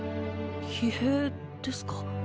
疲弊ですか？